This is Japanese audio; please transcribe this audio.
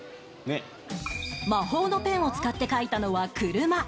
魔法のペンを使って描いたのは車。